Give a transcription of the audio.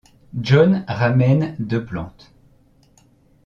John ramènent de plantes.